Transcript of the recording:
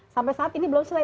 sampai saat ini belum selesai